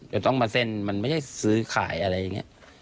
จะต้องมาเส้นมันไม่ใช่ซื้อขายอะไรอย่างนี้